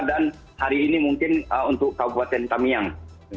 dan hari ini mungkin untuk kabupaten tamiang